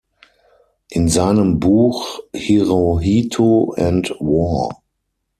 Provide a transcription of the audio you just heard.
In seinem Buch "Hirohito and War.